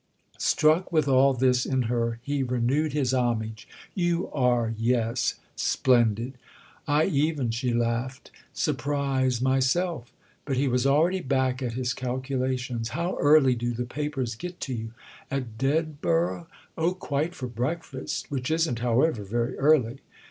Struck with all this in her he renewed his homage. "You are, yes, splendid!" "I even," she laughed, "surprise myself." But he was already back at his calculations. "How early do the papers get to you?" "At Dedborough? Oh, quite for breakfast—which isn't, however, very early."